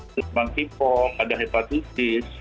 kecuali kipok ada hepatitis